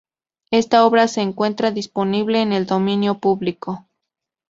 Esta obra se encuentra disponible en el dominio público.